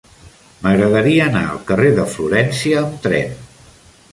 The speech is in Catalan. M'agradaria anar al carrer de Florència amb tren.